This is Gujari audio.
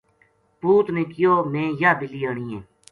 پوت نے کہیو میں یاہ بِلی آنی ہے "